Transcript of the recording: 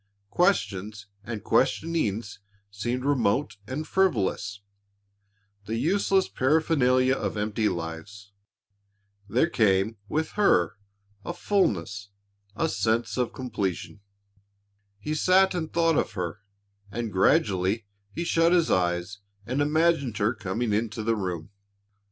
Questions and questionings seemed remote and frivolous, the useless paraphernalia of empty lives. There came, with her, a fullness, a sense of completion. He sat and thought of her and gradually he shut his eyes and imagined her coming into the room.